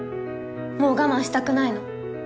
もう我慢したくないの。